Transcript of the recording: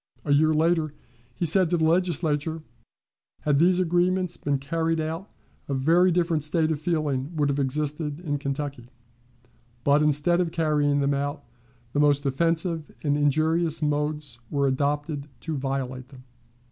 A year later, he said to the Legislature: "Had these agreements been carried out, a very different state of feeling would have existed in Kentucky. But, instead of carrying them out, the most offensive and injurious modes were adopted to violate them."